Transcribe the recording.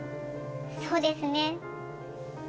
そうですね。